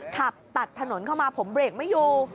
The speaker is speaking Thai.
ขับตัดถนนเข้ามาผมเบรกไม่อยู่